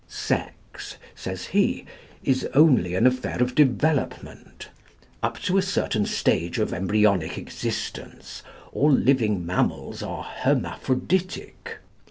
"Sex," says he, "is only an affair of development. Up to a certain stage of embryonic existence all living mammals are hermaphroditic.